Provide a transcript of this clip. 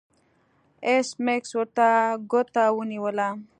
ایس میکس ورته ګوته ونیوله